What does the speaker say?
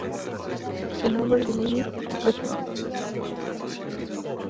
En "Over the Limit" retuvo su campeonato ante Beth Phoenix.